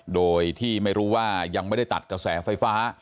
โดยที่ไม่รู้ว่ายังไม่ได้ตัดกระแสไฟฟ้า